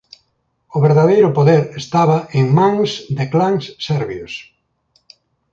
O verdadeiro poder estaba en mans de clans serbios.